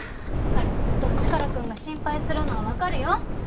彼の事をチカラくんが心配するのはわかるよ。